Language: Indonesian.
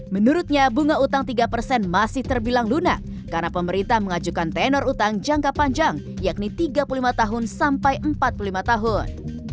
menurutnya bunga utang tiga persen masih terbilang lunak karena pemerintah mengajukan tenor utang jangka panjang yakni tiga puluh lima tahun sampai empat puluh lima tahun